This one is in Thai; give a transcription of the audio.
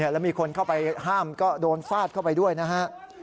แล้วมีคนเข้าไปห้ามก็โดนฟาดเข้าไปด้วยนะฮะ